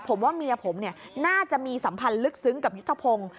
ผมว่าเมียผมน่าจะมีสัมพันธ์ลึกซึ้งกับยุทธพงศ์